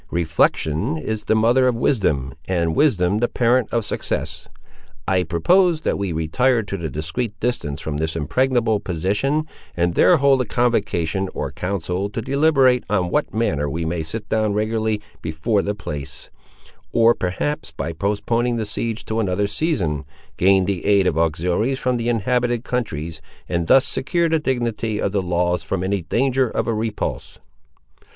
Reflection is the mother of wisdom, and wisdom the parent of success. I propose that we retire to a discreet distance from this impregnable position, and there hold a convocation, or council, to deliberate on what manner we may sit down regularly before the place; or, perhaps, by postponing the siege to another season, gain the aid of auxiliaries from the inhabited countries, and thus secure the dignity of the laws from any danger of a repulse."